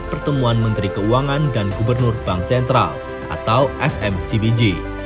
pertemuan menteri keuangan dan gubernur bank sentral atau fmcbg